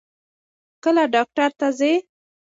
کله ډاکټر ته ځې؟